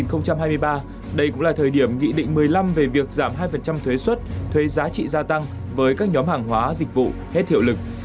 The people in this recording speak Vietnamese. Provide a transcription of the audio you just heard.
năm hai nghìn hai mươi ba đây cũng là thời điểm nghị định một mươi năm về việc giảm hai thuế xuất thuế giá trị gia tăng với các nhóm hàng hóa dịch vụ hết hiệu lực